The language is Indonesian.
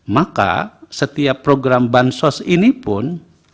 maka setiap program bansos ini pun